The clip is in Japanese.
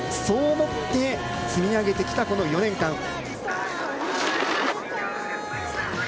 そう思って積み上げてきたこの４年間。